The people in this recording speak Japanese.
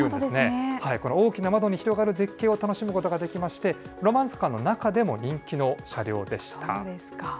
この大きな窓に広がる絶景を楽しむことができまして、ロマンスカーの中でも人気の車両でした。